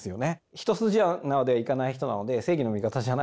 一筋縄ではいかない人なので正義の味方じゃないんで。